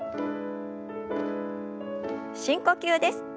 深呼吸です。